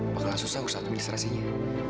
bakal susah usaha administrasinya